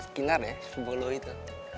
skinner ya sebuah lo itu